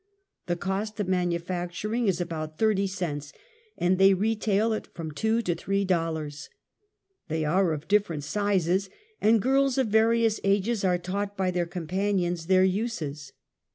The cost of manu facturing is about thirty cents, and they retail at from two to three dollars. They are of difterent sizes, and girls of various ages are taught by their companions their uses.